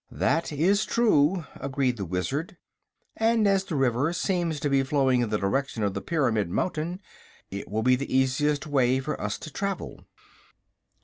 "That is true," agreed the Wizard, "and as the river seems to be flowing in the direction of the Pyramid Mountain it will be the easiest way for us to travel."